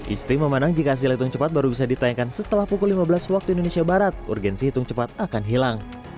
isti memandang jika hasil hitung cepat baru bisa ditayangkan setelah pukul lima belas waktu indonesia barat urgensi hitung cepat akan hilang